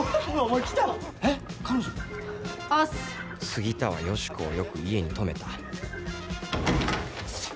杉田はヨシコをよく家に泊めた寒。